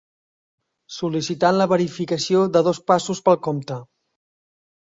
Sol·licitant la verificació de dos passos pel compte.